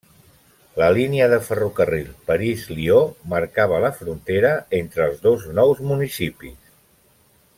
La línia de ferrocarril París-Lió marcava la frontera entre els dos nous municipis.